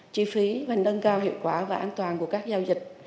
chi phí và nâng cao hiệu quả và an toàn của các giao dịch